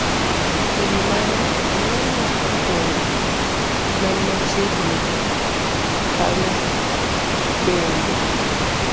E wi mano, ji mawuok e gwenge man machiegni gi kanyo bende